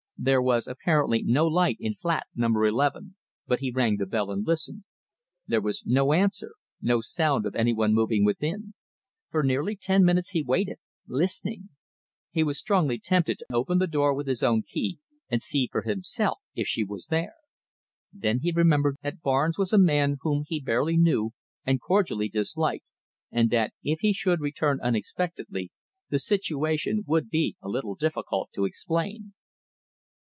There was apparently no light in flat number 11, but he rang the bell and listened. There was no answer, no sound of any one moving within. For nearly ten minutes he waited listening. He was strongly tempted to open the door with his own key and see for himself if she was there. Then he remembered that Barnes was a man whom he barely knew, and cordially disliked, and that if he should return unexpectedly, the situation would be a little difficult to explain.